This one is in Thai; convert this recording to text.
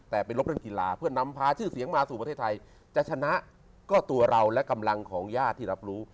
แต่ไปลบเรื่องกีฬาเพื่อนำพาชื่อเสียงมาสู่ประเทศไทยจะชนะก็ตัวเราและกำลังของญาติที่รับรู้